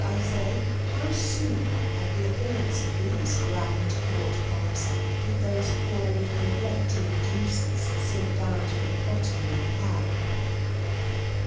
I say, how soon at the appearance of these grand court cards, did those poor little neglected deuces sink down to the bottom of the pack.